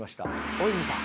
大泉さん。